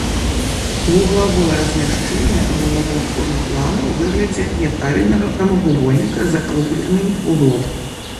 Вуглавое размяшчэнне абумовіла форму плана ў выглядзе няправільнага прамавугольніка з закругленым вуглом.